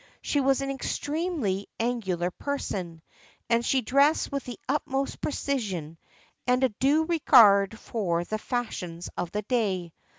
She was an extremely angular person, and she dressed with the utmost precision and a due regard for the fashions of the day.